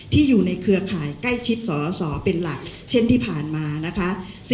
อยู่ในเครือข่ายใกล้ชิดสอสอเป็นหลักเช่นที่ผ่านมานะคะ